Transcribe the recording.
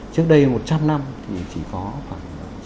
trước đây một trăm linh năm thì chỉ có khoảng